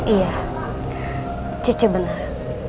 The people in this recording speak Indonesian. iya cice benar